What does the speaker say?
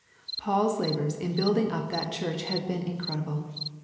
Paul's labours in building up that Church had been incredible.